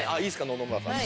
野々村さん。